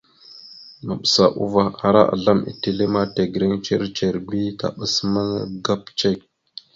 Maɓəsa uvah ara azlam etelle ma tegreŋ ndzir ndzir bi taɓas magap cek.